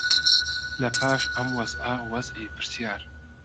لەپاش ئەم وەزعە وەزعی پرسیار